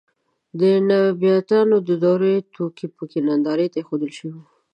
د نبطیانو د دورې توکي په کې نندارې ته اېښودل شوي وو.